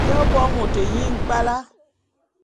Te bo môt nyi nkpwala.